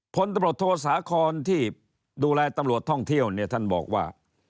พลตบรรโทษสาขอนที่ดูแลตำรวจท่องเที่ยวท่านบอกว่า